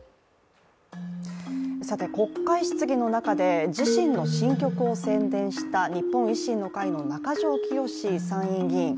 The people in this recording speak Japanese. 国会質疑の中で自身の新曲を宣伝した日本維新の会の中条きよし参院議員。